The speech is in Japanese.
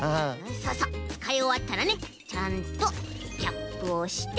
そうそうつかいおわったらねちゃんとキャップをして。